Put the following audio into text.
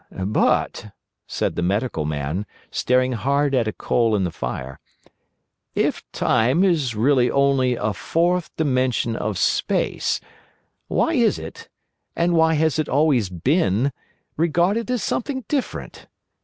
"But," said the Medical Man, staring hard at a coal in the fire, "if Time is really only a fourth dimension of Space, why is it, and why has it always been, regarded as something different?